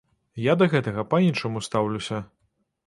Я да гэтага па-іншаму стаўлюся.